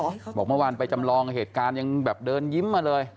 บอกเมื่อวานไปจำลองเหตุการณ์ยังแบบเดินยิ้มมาเลย